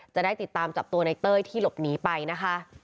จะได้ติดตามจับตัวในเต้ยที่หลบหนีไปนะคะ